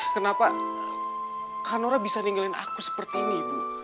kenapa kak naura bisa ninggalin aku seperti ini bu